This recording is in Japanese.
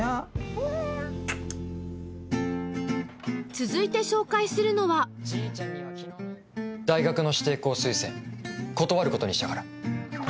続いて紹介するのは大学の指定校推薦断ることにしたから。